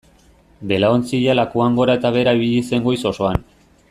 Belaontzia lakuan gora eta behera ibili zen goiz osoan.